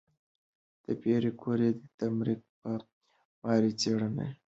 د پېیر کوري تمرکز په ماري څېړنو و.